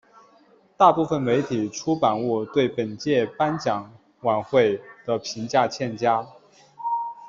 大部分媒体出版物对本届颁奖晚会的评价欠佳。